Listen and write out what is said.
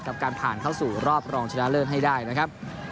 กับการผ่านเข้าสู่รอบรองชนะเลิศให้ได้นะครับ